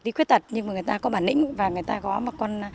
đi khuyết tật nhưng mà người ta có bản lĩnh và người ta có một con